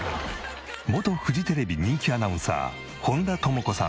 元フジテレビ人気アナウンサー本田朋子さん。